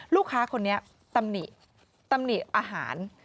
ลูกค้าคนนี้ตำหนิตำหนิอาหาร